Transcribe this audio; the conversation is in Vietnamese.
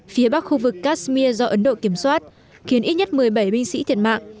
phía bắc khu vực kashmir do ấn độ kiểm soát khiến ít nhất một mươi bảy binh sĩ thiệt mạng